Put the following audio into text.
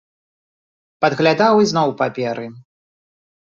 Падглядаў ізноў у паперы.